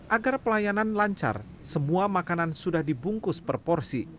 agar pelayanan lancar semua makanan sudah dibungkus per porsi